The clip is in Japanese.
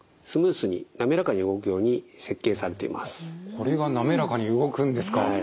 これが滑らかに動くんですか！